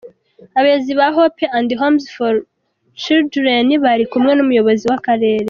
Abayobozi ba Hope andi Homes fo Chilidureni bari kumwe n’umuyobozi w’akarere.